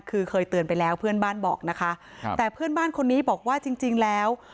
คือเคยเตือนไปแล้วเพื่อนบ้านบอกนะคะครับแต่เพื่อนบ้านคนนี้บอกว่าจริงจริงแล้ว